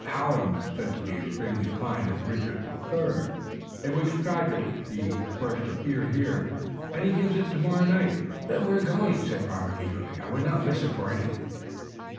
Hallam is said to be extremely fine in Richard III, in which tragedy he first appeared here, and he gives it tomorrow night." "Then we're going," said Robert eagerly. "I would not miss it for anything."